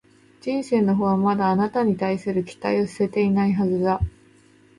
人生のほうはまだ、あなたに対する期待を捨てていないはずだ